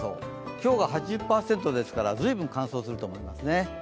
今日が８０％ですから随分、乾燥すると思いますね。